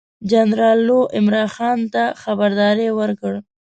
جنرال لو عمرا خان ته خبرداری ورکړ.